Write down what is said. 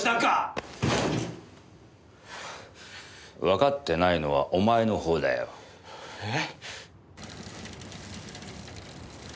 わかってないのはお前の方だよ。え？